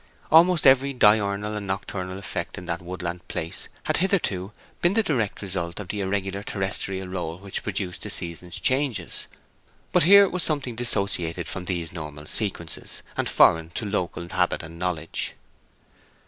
Almost every diurnal and nocturnal effect in that woodland place had hitherto been the direct result of the regular terrestrial roll which produced the season's changes; but here was something dissociated from these normal sequences, and foreign to local habit and knowledge.